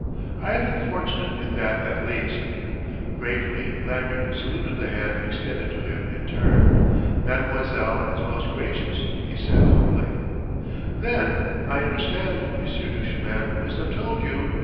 "I have been fortunate in that at least." Gravely Lanyard saluted the hand extended to him in turn. "Mademoiselle is most gracious," he said humbly. "Then I understand Monsieur Duchemin must have told you